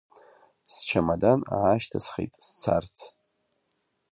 Счамадан аашьҭысхит сцарц.